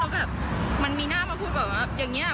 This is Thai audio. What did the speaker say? ฟั้นมันมีหน้ามันถูกแบบว่าอย่างนี้อะ